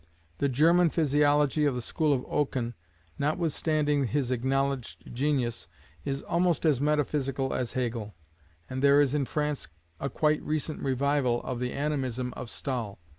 The German physiology of the school of Oken, notwithstanding his acknowledged genius, is almost as metaphysical as Hegel, and there is in France a quite recent revival of the Animism of Stahl.